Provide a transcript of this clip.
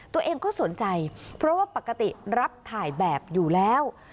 ตัวเองก็สนใจเพราะว่าปกติรับถ่ายแบบอยู่แล้ว